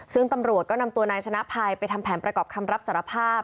ซึ่งตำรวจก็นำตัวนายชนะภัยไปทำแผนประกอบคำรับสารภาพ